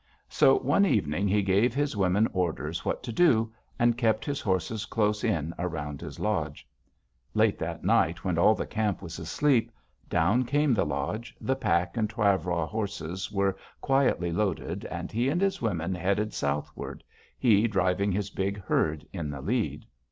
So, one evening, he gave his women orders what to do, and kept his horses close in around his lodge. Late that night, when all the camp was asleep, down came the lodge, the pack and travois horses were quietly loaded, and he and his women headed southward, he driving his big herd in the lead.